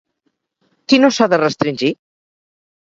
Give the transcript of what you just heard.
Qui no s'ha de restringir?